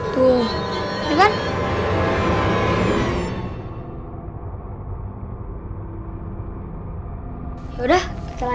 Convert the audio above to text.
tidak ada yang bisa dipercaya